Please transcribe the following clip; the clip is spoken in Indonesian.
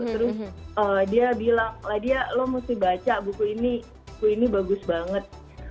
terus dia bilang lah dia lo mesti baca buku ini buku ini bagus banget